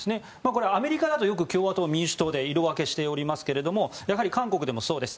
これはアメリカだと共和党と民主党で色分けしていますがやはり韓国でもそうです。